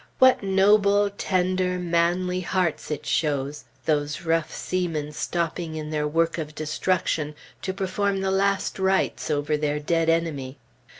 What noble, tender, manly hearts it shows, those rough seamen stopping in their work of destruction to perform the last rites over their dead enemy.